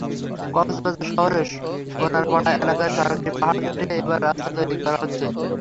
কক্সবাজার শহরের ঘোনারপাড়া এলাকায় সরকারি পাহাড় কেটে এবার রাস্তা তৈরি করা হচ্ছে।